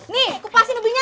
nikup asin bikin ubinya